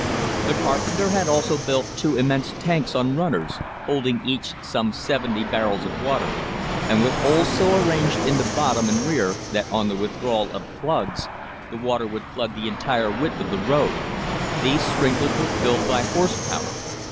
The carpenter had also built two immense tanks on runners, holding each some seventy barrels of water, and with holes so arranged in the bottom and rear that on the withdrawal of plugs the water would flood the entire width of the road. These sprinklers were filled by horse power.